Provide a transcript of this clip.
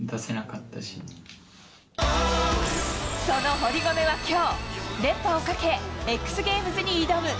その堀米はきょう、連覇をかけ、Ｘゲームズに挑む。